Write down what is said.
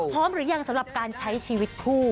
หรือยังสำหรับการใช้ชีวิตคู่